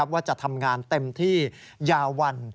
ว่าจะทำงานเต็มที่ยาวัน